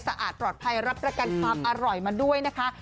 อาจปลอดภัยรับประกันความอร่อยมาด้วยนะคะ